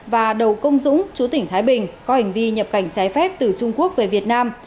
và đầu công dũng chú tỉnh thái bình có hành vi nhập cảnh trái phép từ trung quốc về việt nam